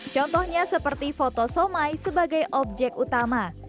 contohnya seperti foto somai sebagai objek utama